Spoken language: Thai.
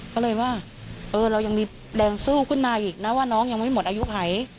ก็เลยว่าเออเรายังมีแรงสู้ขึ้นมาอีกนะว่าน้องยังไม่หมดอายุหาย